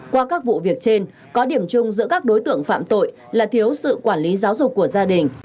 qua các vụ việc trên có điểm chung giữa các đối tượng phạm tội là thiếu sự quản lý giáo dục của gia đình